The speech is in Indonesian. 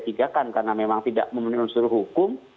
bisa di sp tiga kan karena memang tidak memenuhi unsur hukum